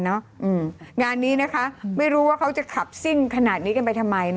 งานนี้นะคะไม่รู้ว่าเขาจะขับซิ่งขนาดนี้กันไปทำไม